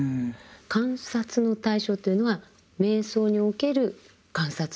観察の対象というのは瞑想における観察の対象？